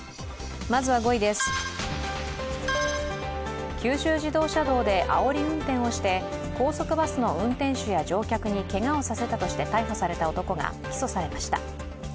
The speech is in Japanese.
まずは５位です、九州自動車道であおり運転をして、高速バスの運転手や乗客にけがをさせたとして逮捕された男が起訴されました。